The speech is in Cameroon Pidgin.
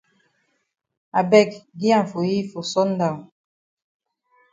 I beg gi am for yi for sun down.